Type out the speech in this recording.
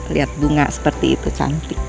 lihat bunga seperti itu cantik